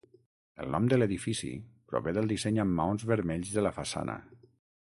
El nom de l'edifici prové del disseny amb maons vermells de la façana.